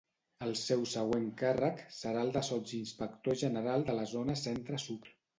El seu següent càrrec serà el de sotsinspector general a la zona Centre-Sud.